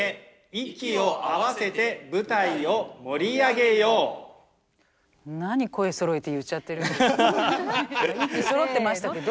息そろってましたけど。